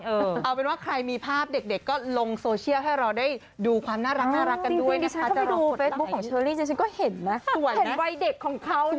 เอาเป็นว่าใครมีภาพเด็กก็ลงสโชชีา